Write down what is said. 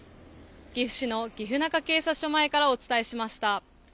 岐阜市の岐阜中警察署前からお伝えしました。